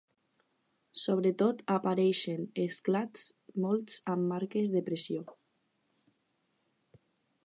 Sobretot apareixen esclats, molts amb marques de pressió.